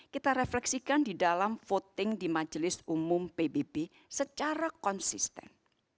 kita refleksikan di dalam voting di majelis umum pbb secara konsisten